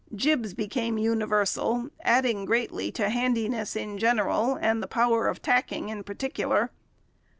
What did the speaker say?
Jibs became universal, adding greatly to handiness in general and the power of tacking in particular.